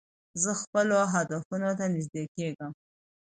زه خپلو هدفونو ته نژدې کېږم.